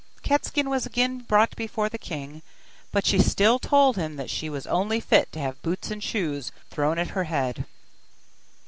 Cat skin was brought again before the king, but she still told him that she was only fit to have boots and shoes thrown at her head.